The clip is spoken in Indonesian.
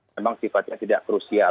memang sifatnya tidak krusial